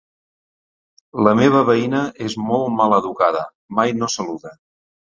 La meva veïna és molt maleducada, mai no saluda.